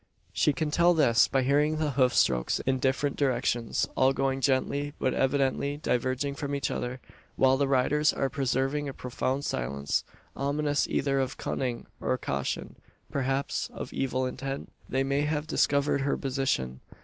She can tell this, by hearing the hoof strokes in different directions: all going gently, but evidently diverging from each other; while the riders are preserving a profound silence, ominous either of cunning or caution perhaps of evil intent? They may have discovered her position?